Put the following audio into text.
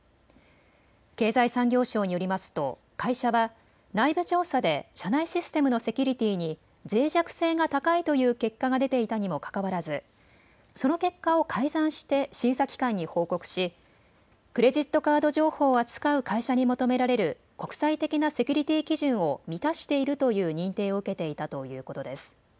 経済産業省によりますと会社は内部調査で社内システムのセキュリティーにぜい弱性が高いという結果が出ていたにもかかわらずその結果を改ざんして審査機関に報告しクレジットカード情報を扱う会社に求められる国際的なセキュリティー基準を満たしているという認定を受けていたということです。